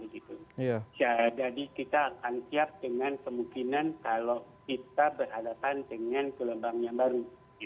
jadi kita akan siap dengan kemungkinan kalau kita berhadapan dengan gelombang yang baru